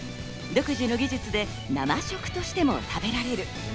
独自の技術で生食としても食べられる。